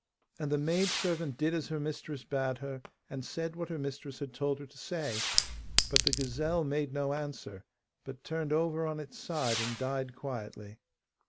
And the maidservant did as her mistress bade her, and said what her mistress had told her to say, but the gazelle made no answer, but turned over on its side and died quietly.